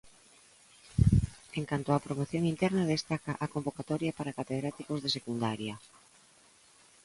En canto á promoción interna, destaca a convocatoria para catedráticos de secundaria.